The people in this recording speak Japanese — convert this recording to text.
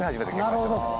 なるほど。